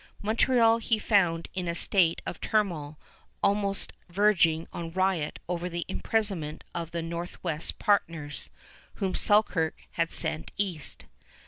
Montreal he found in a state of turmoil almost verging on riot over the imprisonment of the Northwest partners, whom Selkirk had sent east.